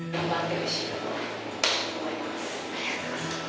ありがとうございます。